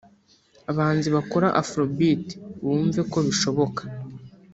”Abahanzi bakora afro beat bumve ko bishoboka